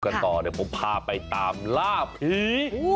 กันต่อเดี๋ยวผมพาไปตามล่าผี